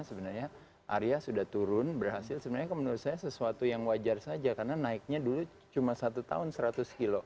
sebenarnya arya sudah turun berhasil sebenarnya menurut saya sesuatu yang wajar saja karena naiknya dulu cuma satu tahun seratus kilo